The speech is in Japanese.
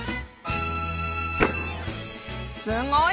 すごい！